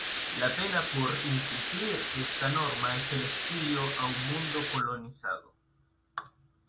La pena por incumplir esta norma es el exilio a un mundo colonizado.